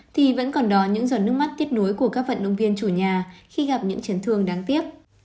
thì vẫn còn đòi những giọt nước mắt tiết núi của các vận động viên chủ nhà khi gặp những chấn thương đáng tiếc